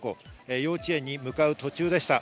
幼稚園に向かう途中でした。